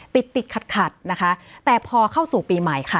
ติดติดขัดขัดนะคะแต่พอเข้าสู่ปีใหม่ค่ะ